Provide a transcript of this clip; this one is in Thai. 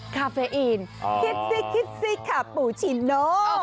คาเฟอินคิดซิกคิดซิกคาปูชิโน